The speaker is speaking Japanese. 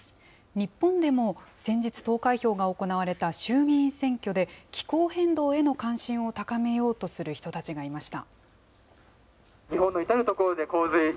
日本でも先日投開票が行われた衆議院選挙で、気候変動への関心を高めようとする人たちがいました。